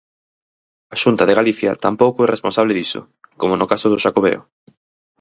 A Xunta de Galicia tampouco é responsable diso, como no caso do Xacobeo.